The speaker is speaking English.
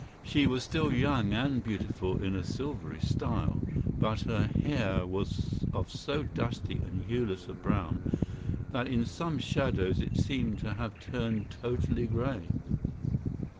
She was still young and beautiful in a silvery style, but her hair was of so dusty and hueless a brown that in some shadows it seemed to have turned totally grey.